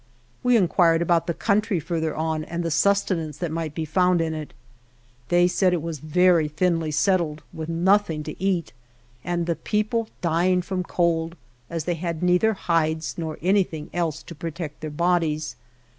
We inquired about the country further on and the sustenance that might be found in it. They said it was very thinly set tled, with nothing to eat, and the people dying from cold, as they had neither hides nor anything else to protect their bodies.